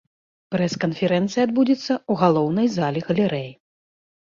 Прэс-канферэнцыя адбудзецца ў галоўнай залі галерэі.